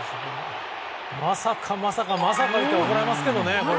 まさかまさかと言ったら怒られますけどね